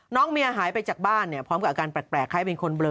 น้องเมียหายไปจากบ้านเนี่ยพร้อมกับอาการแปลกคล้ายเป็นคนเบลอ